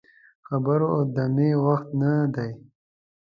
د خبرو او دمې وخت نه دی.